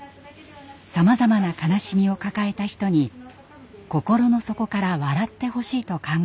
さまざまな悲しみを抱えた人に心の底から笑ってほしいと考えたのです。